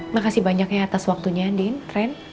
makasih banyaknya atas waktunya din ren